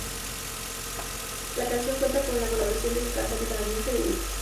La canción cuenta con la colaboración del cantante canadiense The Weeknd.